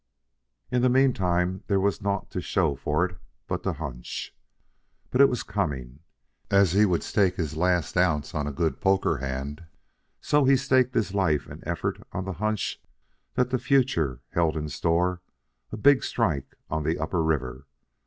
In the meantime there was naught to show for it but the hunch. But it was coming. As he would stake his last ounce on a good poker hand, so he staked his life and effort on the hunch that the future held in store a big strike on the Upper River.